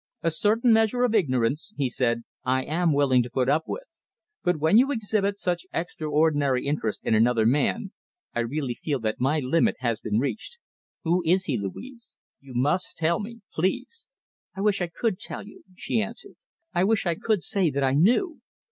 "A certain measure of ignorance," he said, "I am willing to put up with, but when you exhibit such extraordinary interest in another man, I really feel that my limit has been reached. Who is he, Louise? You must tell me, please!" "I wish I could tell you," she answered. "I wish I could say that I knew.